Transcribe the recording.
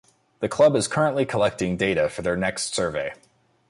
The Club is currently collecting data for their next survey.